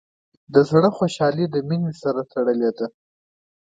د زړۀ خوشحالي د مینې سره تړلې ده.